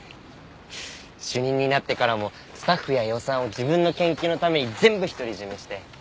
主任になってからもスタッフや予算を自分の研究のために全部独り占めして。